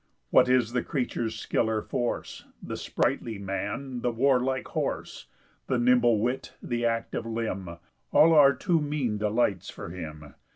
7 What is the creature's skill or force, The sprightly man, the warlike horse, The nimble wit, the active limb? All are too mean delights for him.